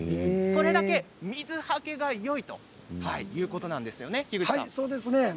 それだけ水はけがよいということなんですよね、樋口さん。